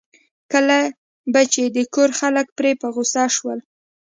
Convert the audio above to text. کله به چې د کور خلک پرې په غوسه شول.